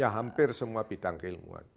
hampir semua bidang keilmuan